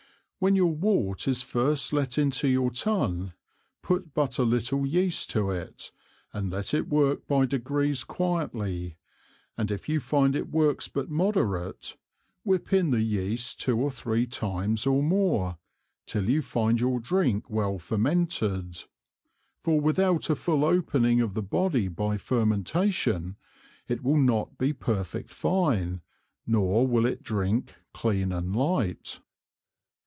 When your Wort is first let into your Tun, put but a little Yeast to it, and let it work by degrees quietly, and if you find it works but moderate, whip in the Yeast two or three times or more, till you find your Drink well fermented, for without a full opening of the Body by fermentation, it will not be perfect fine, nor will it drink clean and light.